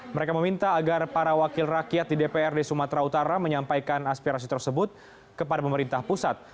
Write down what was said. mereka meminta agar para wakil rakyat di dprd sumatera utara menyampaikan aspirasi tersebut kepada pemerintah pusat